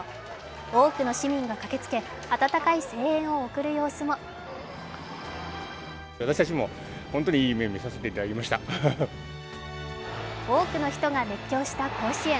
多くの市民が駆けつけ温かい声援を送る様子も多くの人が熱狂した甲子園。